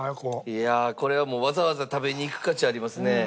いやあこれはわざわざ食べに行く価値ありますね。